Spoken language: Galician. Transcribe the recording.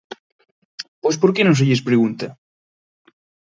Pois porque non se lles pregunta?